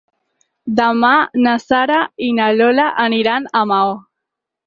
Demà na Sara i na Lola aniran a Maó.